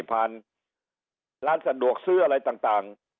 ผ่านร้านสะดวกซื้ออะไรต่าง